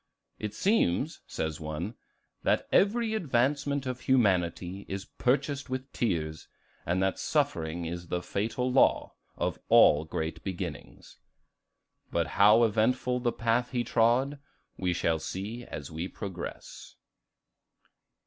"It seems," says one, "that every advancement of humanity is purchased with tears, and that suffering is the fatal law of all great beginnings." But how eventful the path he trod, we shall see as we progress.